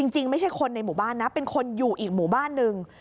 จริงไม่ใช่คนในหมู่บ้านนะเป็นคนอยู่อีกหมู่บ้านหนึ่ง